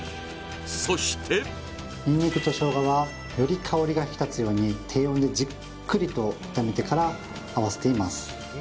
そしてニンニクと生姜はより香りが引き立つように低温でじっくりと炒めてからあわせています